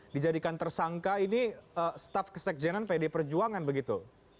dijadikan tersangka ini staf sekjen pdi perjuangan begitu